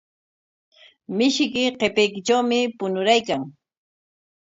Mishiyki qipaykitrawmi puñuraykan.